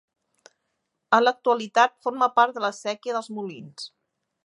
En l'actualitat forma part de la Séquia dels Molins.